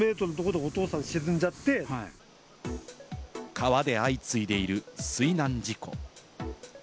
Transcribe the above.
川で相次いでいる水難事故。